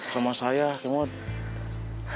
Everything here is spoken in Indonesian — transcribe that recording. sama saya ke mod